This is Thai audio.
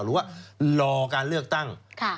รอการเลือกตั้ง